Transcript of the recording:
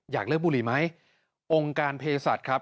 อยากเลิกบุหรี่ไหมองค์การเพศสัตว์ครับ